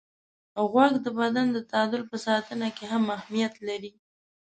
غوږ د بدن د تعادل په ساتنه کې هم اهمیت لري.